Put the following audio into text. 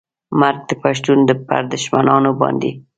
مرګ د پښتون پر دښمنانو باندې